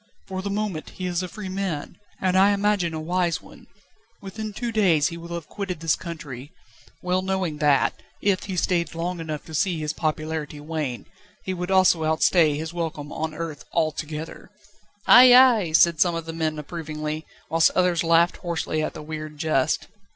For the moment he is a free man, and I imagine a wise one; within two days he will have quitted this country, well knowing that, if he stayed long enough to see his popularity wane, he would also outstay his welcome on earth altogether." "Ay! Ay!" said some of the men approvingly, whilst others laughed hoarsely at the weird jest.